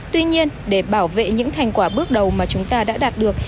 tuy nhiên để bảo vệ những thành quả bước đầu mà chúng ta đã đạt được